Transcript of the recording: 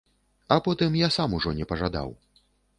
А потым я сам ужо не пажадаў.